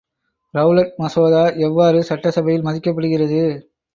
Rowlatt மசோதா எவ்வாறு சட்ட சபையில் மதிக்கப்படுகிறது.